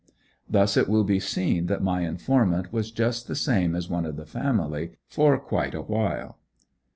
Thus it will be seen that my informant was just the same as one of the family for quite a while.